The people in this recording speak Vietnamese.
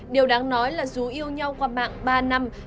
điều đáng nói là dù yêu nhau qua mạng ba năm